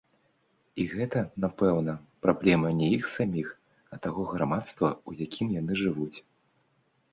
І гэта, напэўна, праблема не іх саміх, а таго грамадства, у якім яны жывуць.